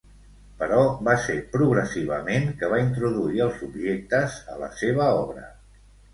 Però va ser progressivament que va introduir els objectes a la seva obra.